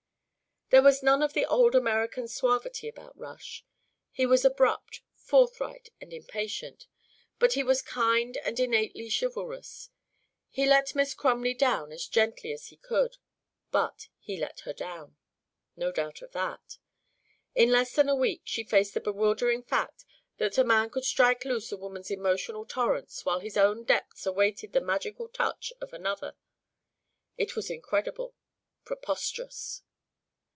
There was none of the old time American suavity about Rush. He was abrupt, forthright, and impatient. But he was kind and innately chivalrous. He "let Miss Crumley down" as gently as he could; but he let her down. No doubt of that. In less than a week she faced the bewildering fact that a man could strike loose a woman's emotional torrents while his own depths awaited the magical touch of another. It was incredible, preposterous.